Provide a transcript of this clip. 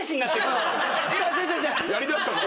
やりだしたから。